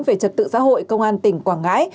về trật tự xã hội công an tỉnh quảng ngãi